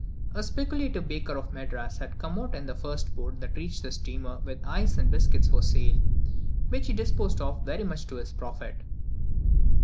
A speculative baker of Madras had come out in the first boat that reached the steamer with ice and biscuits for sale, which he disposed of very much to his profit.